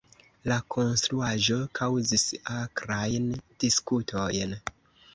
La konstruaĵo kaŭzis akrajn diskutojn.